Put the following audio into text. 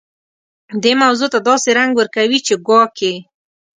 دې موضوع ته داسې رنګ ورکوي چې ګواکې.